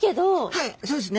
はいそうですね。